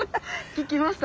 効きました。